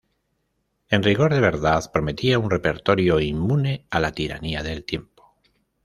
En rigor de verdad, prometía un repertorio inmune a la tiranía del tiempo.